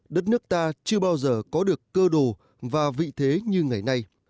đất nước ta chưa bao giờ có được cơ đồ và vị thế như ngày nay